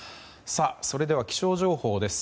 それでは気象情報です。